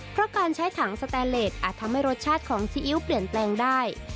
เพราะการใช้ถังสแตนเลสอาจทำให้รสชาติของซีอิ๊วเปลี่ยนแปลงได้